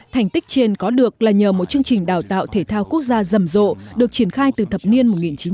thành tích trên có được là nhờ một chương trình đào tạo thể thao quốc gia rầm rộ được triển khai từ thập niên một nghìn chín trăm bảy mươi